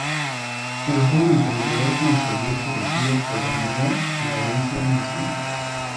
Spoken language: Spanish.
El joven emperador concedió su retiro, pero negó la herencia en su hijo.